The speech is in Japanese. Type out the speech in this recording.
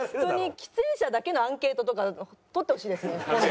喫煙者だけのアンケートとか取ってほしいですね今度。